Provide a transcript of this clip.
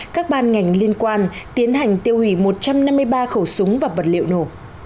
các ban ngành liên quan tiến hành tiêu hủy một trăm năm mươi ba khẩu súng và vật liệu nổ